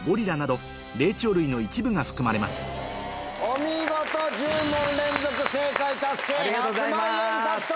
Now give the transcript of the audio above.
お見事１０問連続正解達成１００万円獲得！